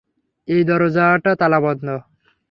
এই দরজাটা তালা বন্ধ।